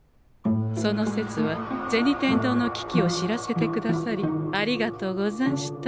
その節は銭天堂の危機を知らせてくださりありがとうござんした。